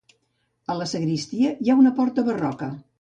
A la sagristia hi ha una porta barroca.